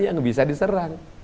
yang bisa diserang